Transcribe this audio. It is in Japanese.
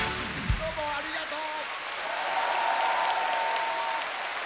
どうもありがとう！